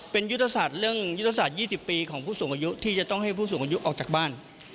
เป็นยุทธศาสตร์เรื่องยุทธศาสตร์๒๐ปีของผู้สูงอายุที่จะต้องให้ผู้สูงอายุออกจากบ้าน